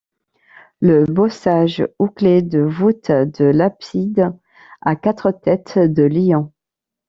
Le bossage ou clé de voûte de l’abside a quatre têtes de lions.